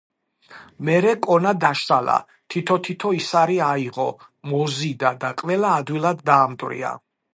მერე კონა დაშალა, თითო-თითო ისარი აიღო, მოზიდა და ყველა ადვილად დაამტვრია.